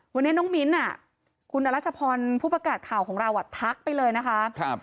วันนี้น้องมิ้นคุณอรัชพรผู้ประกาศข่าวของเราทักไปเลยนะคะ